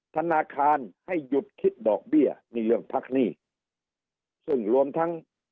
ธนาคารให้หยุดคิดดอกเบี้ยนี่เรื่องพักหนี้ซึ่งรวมทั้ง